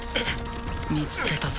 見つけたぞ。